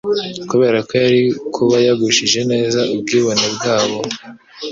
kubera ko yari kuba yagushije neza ubwibone bwabo,